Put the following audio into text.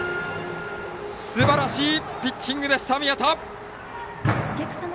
すばらしいピッチングでした宮田！